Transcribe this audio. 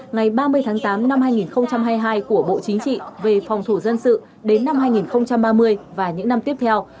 ngày ba mươi tháng tám năm hai nghìn hai mươi hai của bộ chính trị về phòng thủ dân sự đến năm hai nghìn ba mươi và những năm tiếp theo